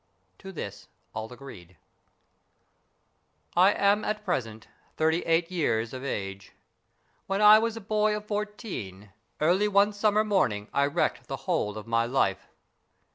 To this all agreed. " I am at present thirty eight years ol age. When I was a boy of fourteen, early one summer 84 STORIES IN GREY morning I wrecked the whole of my life.